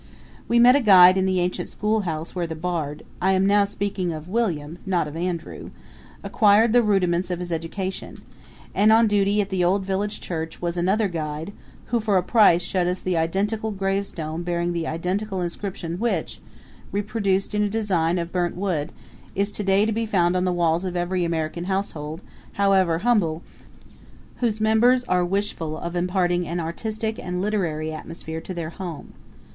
We met a guide in the ancient schoolhouse where the Bard I am speaking now of William, not of Andrew acquired the rudiments of his education; and on duty at the old village church was another guide, who for a price showed us the identical gravestone bearing the identical inscription which, reproduced in a design of burnt wood, is to day to be found on the walls of every American household, however humble, whose members are wishful of imparting an artistic and literary atmosphere to their home.